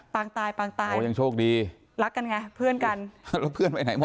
งตายปางตายโอ้ยังโชคดีรักกันไงเพื่อนกันแล้วเพื่อนไปไหนหมด